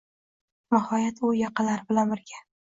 Nihoyat u yaqinlari bilan birga